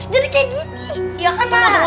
jadi kayak gini